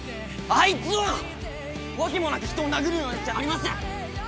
あいつは訳もなく人を殴るようなやつじゃありません！